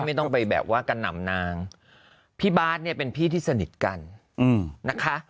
ไม่ต้องไปแบบว่ากระหน่ำนางพี่บาทเนี่ยเป็นพี่ที่สนิทกันนะคะ